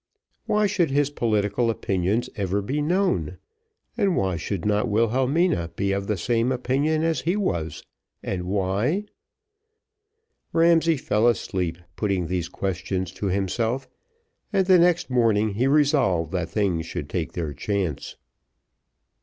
Why should his political opinions ever be known? and why should not Wilhelmina be of the same opinion as he was? and why Ramsay fell asleep, putting these questions to himself, and the next morning he resolved that things should take their chance.